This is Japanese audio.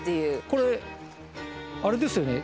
これあれですよね。